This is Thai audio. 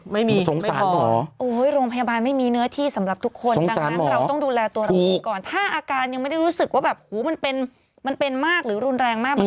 ไม่มียังไม่พอโรงพยาบาลไม่มีเนื้อที่สำหรับทุกคนดังนั้นเราต้องดูแลตัวเราเองก่อนถ้าอาการยังไม่ได้รู้สึกว่าแบบหูมันเป็นมันเป็นมากหรือรุนแรงมาก